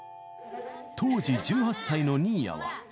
当時１８歳の新谷は。